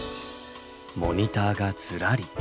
モニターがずらり。